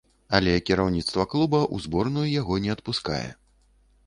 Але кіраўніцтва клуба ў зборную яго не адпускае.